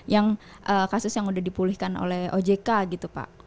yang kasus yang sudah dipulihkan oleh ojk gitu pak